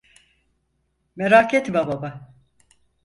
Merak etme baba.